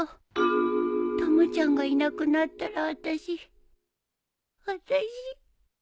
たまちゃんがいなくなったらあたしあたし